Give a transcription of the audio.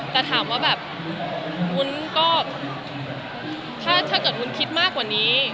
แต่ถามว่าแบบวุ้นก็ถ้าเกิดวุ้นคิดมากกว่านี้